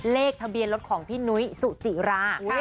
เลขทะเบียนรถของพี่นุ้ยสุจิรา